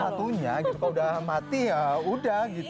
satu satunya gitu kalau udah mati ya udah gitu